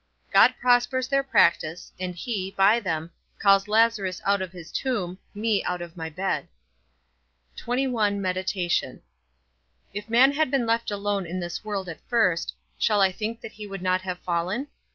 God prospers their practice, and he, by them, calls Lazarus out of his tomb, me out of my bed. XXI. MEDITATION. If man had been left alone in this world at first, shall I think that he would not have fallen?